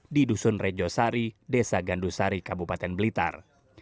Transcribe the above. di dusun rejo sari desa gandusari kabupaten blitar